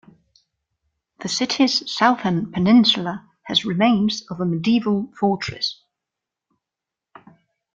The city's southern peninsula has remains of a medieval fortress.